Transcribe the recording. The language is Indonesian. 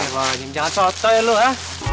jangan sotel lu ha